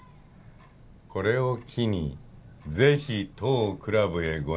これを機にぜひ当クラブへご入会を。